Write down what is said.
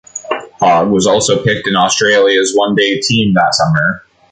Hogg was also picked in Australia's one day team that summer.